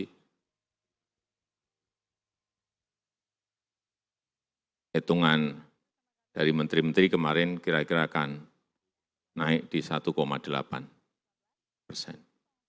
hitungan dari menteri menteri kemarin kira kira akan naik di satu delapan persen